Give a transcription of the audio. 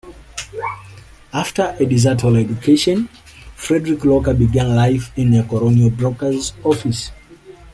After a desultory education, Frederick Locker began life in a colonial broker's office.